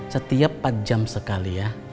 setiap empat jam sekali ya